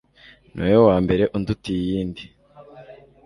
niwowe wambere undutiye iyindi